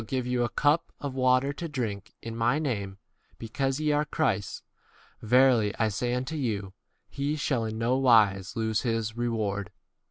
give you a cup of water to drink in [my] u name, because ye are Christ's, verily I say unto you, he shall in no wise lose his reward.